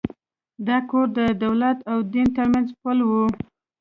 دا کور د دولت او دین تر منځ پُل و.